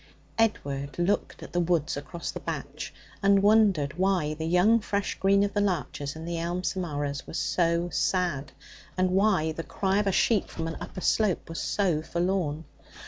Edward looked at the woods across the batch, and wondered why the young fresh green of the larches and the elm samaras was so sad, and why the cry of a sheep from an upper slope was so forlorn.